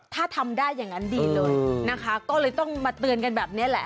ถ้าทำได้อย่างนั้นดีเลยนะคะก็เลยต้องมาเตือนกันแบบนี้แหละ